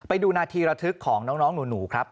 ไปดูนาทีระทึกของน้องหนูครับ